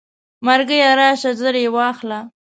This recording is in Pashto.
مرګیه راشه زر یې واخله.